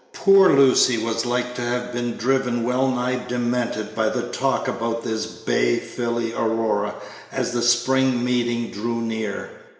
Poor Lucy was like to have been driven wellnigh demented by the talk about this bay filly Aurora as the spring meeting drew near.